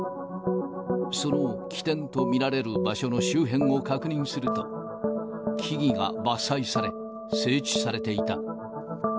その起点と見られる場所の周辺を確認すると、木々が伐採され、整地されていた。